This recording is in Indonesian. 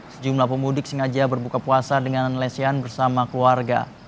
sejumlah pemudik sengaja berbuka puasa dengan lesian bersama keluarga